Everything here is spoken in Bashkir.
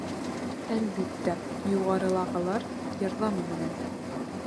Әлбиттә, «юғарылағылар» ярҙамы менән.